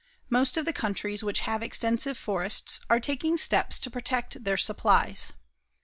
Most of the countries which have extensive forests are taking steps to protect their supplies.